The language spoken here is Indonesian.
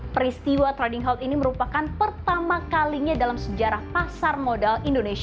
peristiwa trading house ini merupakan pertama kalinya dalam sejarah pasar modal